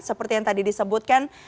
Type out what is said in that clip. seperti yang tadi disebutkan